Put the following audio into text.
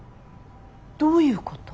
どういうこと？